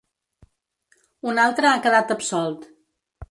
Un altre ha quedat absolt.